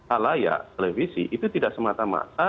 alayak televisi itu tidak semata mata